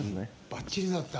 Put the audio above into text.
ばっちりだった。